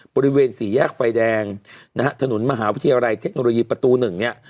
บริเวณสี่แยกไฟแดงนะฮะถนนมหาวิทยาลัยเทคโนโลยีประตูหนึ่งเนี่ย